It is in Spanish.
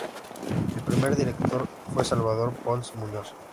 El primer director fue Salvador Pons Muñoz.